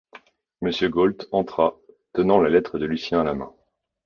Monsieur Gault entra, tenant la lettre de Lucien à la main.